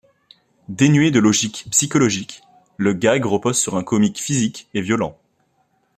Dénué de logique psychologique, le gag repose sur un comique physique et violent.